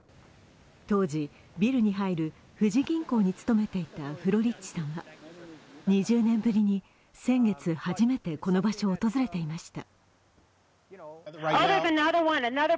当時、ビルに入る富士銀行に勤めていたフロリッチさんは２０年ぶりに先月初めてこの場所を訪れていました。